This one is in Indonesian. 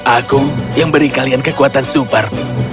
aku yang beri kalian kekuatan super